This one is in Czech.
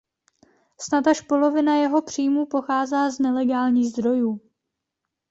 Snad až polovina jeho příjmů pocházela z nelegálních zdrojů.